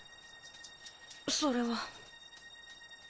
それは。